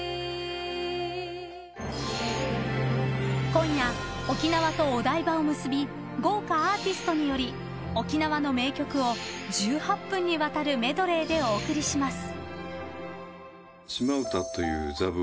今夜、沖縄とお台場を結び豪華アーティストによる沖縄の名曲を１８分にわたるメドレーでお送りします。